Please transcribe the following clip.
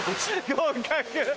合格。